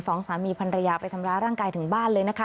สองสามีพันรยาไปทำร้ายร่างกายถึงบ้านเลยนะคะ